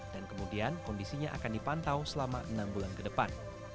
dan kemudian kondisinya akan dipantau selama enam bulan ke depan